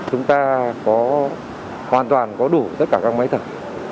chúng ta có hoàn toàn có đủ tất cả các máy thở